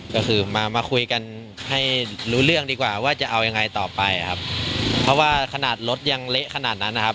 ก็คือมามาคุยกันให้รู้เรื่องดีกว่าว่าจะเอายังไงต่อไปครับเพราะว่าขนาดรถยังเละขนาดนั้นนะครับ